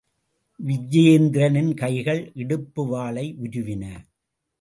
விஜயேந்திரனின் கைகள் இடுப்பு வாளை உருவின!